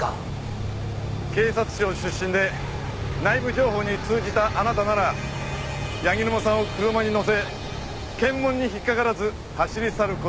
警察庁出身で内部情報に通じたあなたなら柳沼さんを車に乗せ検問に引っかからず走り去る事は可能です。